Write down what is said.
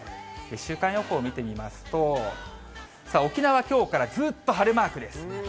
週間予報見てみますと、沖縄、きょうからずっと晴れマークです。